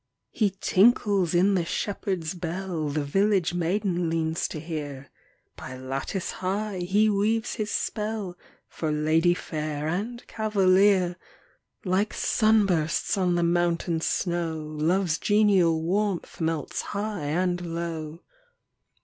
He tinkles in the shepherd s bell The village maiden leans to hear By lattice high he weaves his spell, For lady fair and cavalier : Like sun bursts on the mountain snow, Love s genial warmth melts high and low.